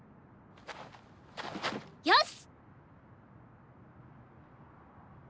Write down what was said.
よし！